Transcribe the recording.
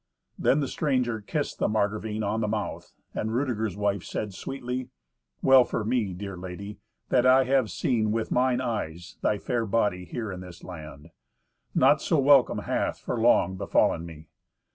Then the stranger kissed the Margravine on the mouth, and Rudeger's wife said sweetly, "Well for me, dear lady, that I have seen with mine eyes thy fair body here in this land! Naught so welcome hath, for long, befallen me."